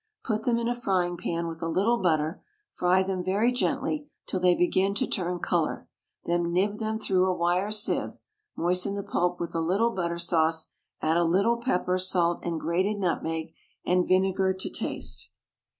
Put then in a frying pan with a little butter; fry them very gently, till they begin to turn colour, then nib them through a wire sieve; moisten the pulp with a little butter sauce; add a little pepper, salt, and grated nutmeg and vinegar to taste.